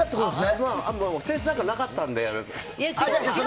そう、扇子なんかなかったので。